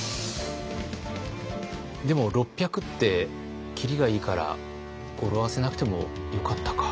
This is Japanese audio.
でも６００って切りがいいから語呂合わせなくてもよかったか。